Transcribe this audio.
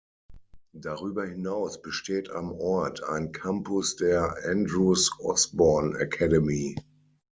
Darüber hinaus besteht am Ort ein Campus der "Andrews Osborne Academy".